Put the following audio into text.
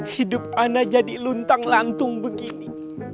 hidup anda jadi luntang lantung begini